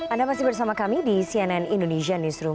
anda masih bersama kami di cnn indonesia newsroom